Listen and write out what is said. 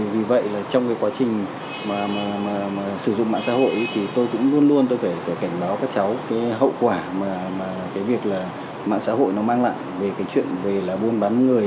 vì vậy trong quá trình sử dụng mạng xã hội tôi cũng luôn luôn phải cảnh báo các cháu hậu quả mạng xã hội mang lại về chuyện buôn bán người